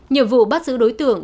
nhiệm vụ bắt giữ đối tượng